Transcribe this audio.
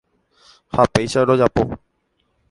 Ha péicha rojapo.